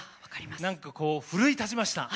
何かこう奮い立ちました。